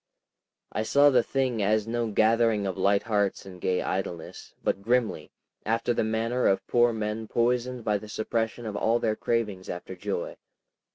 I saw the thing as no gathering of light hearts and gay idleness, but grimly—after the manner of poor men poisoned by the suppression of all their cravings after joy.